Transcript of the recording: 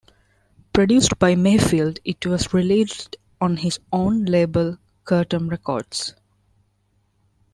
Produced by Mayfield, it was released on his own label Curtom Records.